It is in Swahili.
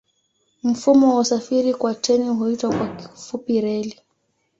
Mfumo wa usafiri kwa treni huitwa kwa kifupi reli.